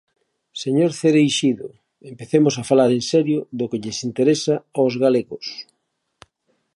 Señor Cereixido, empecemos a falar en serio do que lles interesa aos galegos.